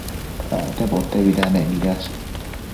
Acte potebidanec nidash